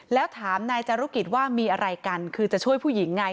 แล้วถามนายจารุกิจว่ามีอะไรกันคือจะช่วยผู้หญิงไง